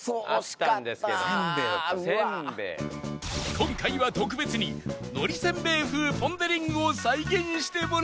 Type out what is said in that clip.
今回は特別に海苔せんべい風ポン・デ・リングを再現してもらったぞ